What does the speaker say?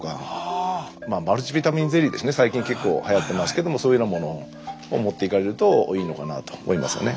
マルチビタミンゼリーですね最近結構はやってますけどもそういうようなものを持っていかれるといいのかなと思いますよね。